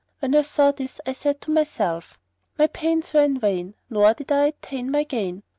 When I saw this, I said to myself, 'My pains were in vain nor did I attain my gain.'